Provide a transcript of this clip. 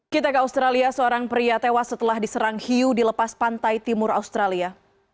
kita ke australia seorang pria tewas setelah diserang hiu di lepas pantai timur australia